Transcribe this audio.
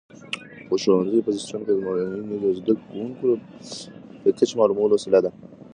د ښوونځي په سیسټم کې ازموینې د زده کوونکو د کچې معلومولو وسیله ده.